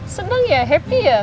seneng ya happy ya